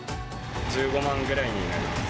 １５万ぐらいになります。